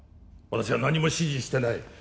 私は何も指示してない